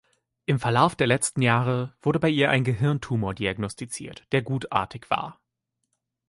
Im Verlauf der letzten Jahre wurde bei ihr ein Gehirntumor diagnostiziert, der Gutartig war.